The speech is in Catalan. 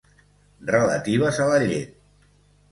Relatives a la llet.